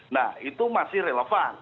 nah itu masih relevan